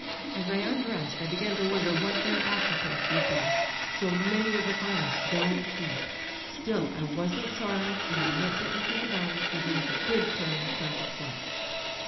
As I undressed I began to wonder what their after taste would be â€" s o many o f the finest don't ^ep! Still, I wasn't sorry, and I meant to empty the bottle, even if it did turn a trifle flat.